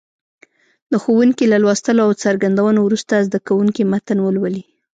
د ښوونکي له لوستلو او څرګندونو وروسته زده کوونکي متن ولولي.